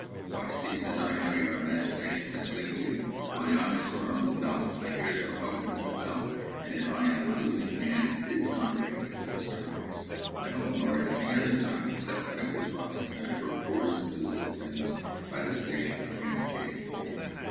"Why, see," said I, "how your imagination misleads you. My eyes were on the bell, and my ears were open to the bell, and if I am a living man, it did NOT ring at those times. No, nor at any other time, except when it was rung in the natural course of physical things by the station communicating with you."